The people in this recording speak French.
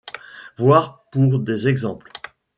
Voir pour des exemples.